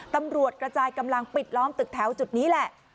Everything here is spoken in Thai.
ตำรวจกระจายกำลังปิดล้อมตึกแถวจุดนี้แหละ